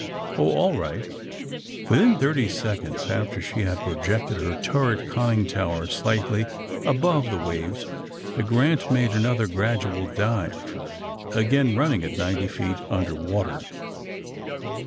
'' ^'Oh, all right." Within thirty seconds after she had projected her turret conning tower slightly above the waves the ^^ Grant" made another gradual dive, again running at ninety feet under water.